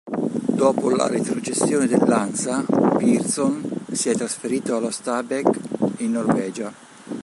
Dopo la retrocessione dell'Hansa, Persson si è trasferito allo Stabæk, in Norvegia.